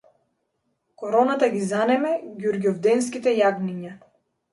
Короната ги занеме ѓурѓовденските јагниња